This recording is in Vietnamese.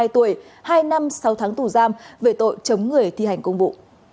ba mươi hai tuổi hai năm sáu tháng tù giam về tội chống người thi hành công vụ